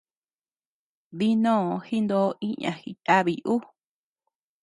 Dinó jindo iña jiyabiy ú.